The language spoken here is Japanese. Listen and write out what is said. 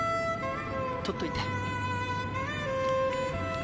とっといて。